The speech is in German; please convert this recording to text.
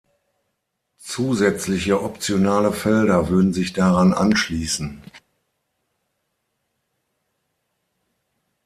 Zusätzliche optionale Felder würden sich daran anschließen.